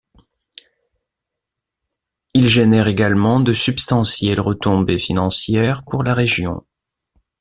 Il génère également de substantielles retombées financières pour la région.